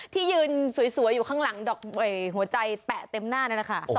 ที่ยืนสวยอยู่ข้างหลังดอกหัวใจแปะเต็มหน้านั่นแหละค่ะ